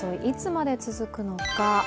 いつまで続くのか。